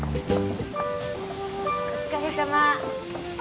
お疲れさま。